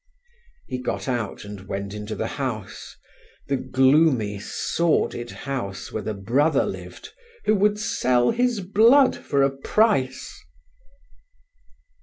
He got out and went into the house, the gloomy sordid house where the brother lived who would sell his blood for a price!